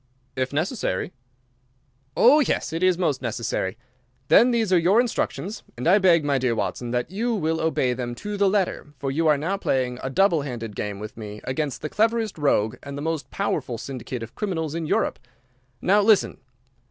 "If necessary." "Oh yes, it is most necessary. Then these are your instructions, and I beg, my dear Watson, that you will obey them to the letter, for you are now playing a double handed game with me against the cleverest rogue and the most powerful syndicate of criminals in Europe. Now listen!